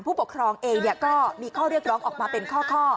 ผู้ปกครองเองก็มีข้อเรียกร้องออกมาเป็นข้อ